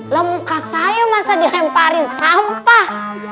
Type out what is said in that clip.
lemukasaya masa dilemparin sampah